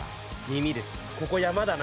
耳です。